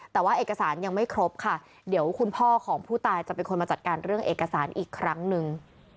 แต่ว่าเอกสารยังไม่ครบค่ะเดี๋ยวคุณพ่อของผู้ตายจะเป็นคนมาจัดการเรื่องเอกสารอีกครั้งหนึ่ง